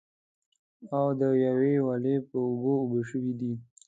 او د لویې ويالې په اوبو اوبه شوي دي.